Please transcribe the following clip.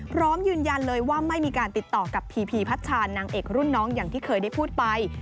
พร้อมยืนยันเลยว่าไม่มีการติดต่อกับพีพีพัชชานางเอกรุ่นน้องอย่างที่เคยได้พูดไป